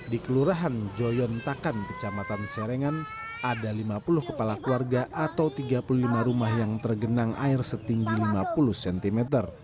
di kelurahan joyon takan kecamatan serengan ada lima puluh kepala keluarga atau tiga puluh lima rumah yang tergenang air setinggi lima puluh cm